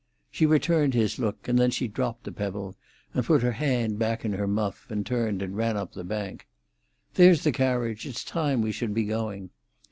She returned his look, and then she dropped the pebble and put her hand back in her muff, and turned and ran up the bank. "There's the carriage. It's time we should be going."